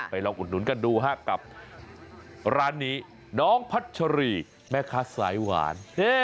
ลองอุดหนุนกันดูฮะกับร้านนี้น้องพัชรีแม่ค้าสายหวาน